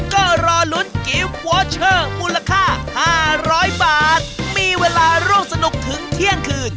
ก็รอลุ้นกิ๊บมูลค่าห้าร้อยบาทมีเวลาร่วมสนุกถึงเที่ยงคืน